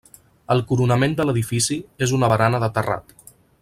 El coronament de l'edifici és una barana de terrat.